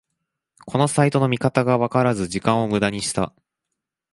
このサイトの見方がわからず時間をムダにした